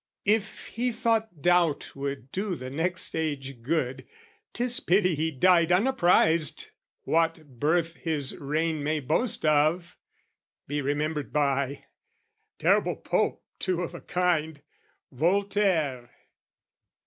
If he thought doubt would do the next age good, 'Tis pity he died unapprised what birth His reign may boast of, be remembered by Terrible Pope, too, of a kind, Voltaire.